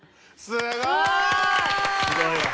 すごいわ。